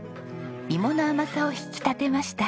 芋の甘さを引き立てました。